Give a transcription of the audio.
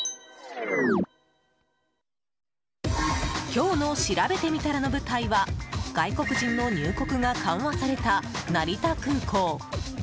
今日のしらべてみたらの舞台は外国人の入国が緩和された成田空港。